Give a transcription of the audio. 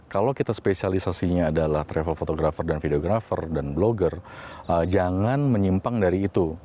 kalau kita spesialisasinya adalah travel photographer dan videographer dan blogger jangan menyimpang dari itu